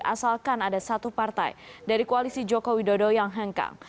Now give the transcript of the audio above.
asalkan ada satu partai dari koalisi joko widodo yang hengkang